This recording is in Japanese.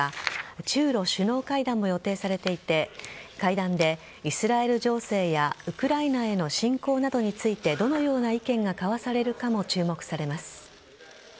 中露首脳会談も予定されていて会談でイスラエル情勢やウクライナへの侵攻などについてどのような意見が交わされるかも注目されます。